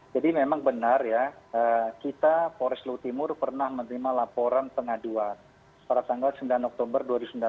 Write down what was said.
jadi memang benar ya kita polres lutimur pernah menerima laporan pengaduan pada tanggal sembilan oktober dua ribu sembilan belas